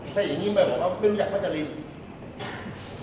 ถ้าอย่างนี้มันก็บอกว่าไม่รู้จักพัชรินทร์